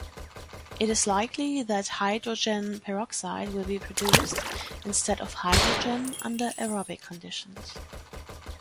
It is likely that hydrogen peroxide will be produced instead of hydrogen under aerobic conditions.